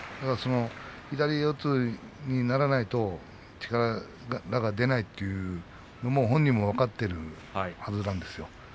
左四つにならないと力が出ないというのも本人も分かっているはずなんですよ。